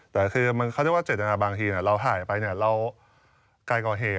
แต่คือเขาเรียกว่าเจตนาบางทีเราหายไปเราการก่อเหตุ